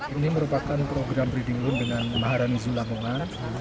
ini merupakan program breeding room dengan maharani zulamongan